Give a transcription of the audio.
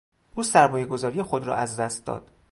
او سرمایهگذاری خود را از دست داد.